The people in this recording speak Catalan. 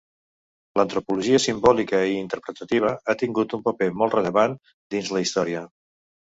L'antropologia simbòlica i interpretativa ha tingut un paper molt rellevant dins la història.